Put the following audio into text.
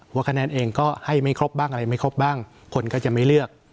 คะแนนเองก็ให้ไม่ครบบ้างอะไรไม่ครบบ้างคนก็จะไม่เลือก